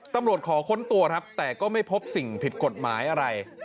ตำรวจขอค้นตัวครับแต่ก็ไม่พบสิ่งผิดกฎหมายอะไร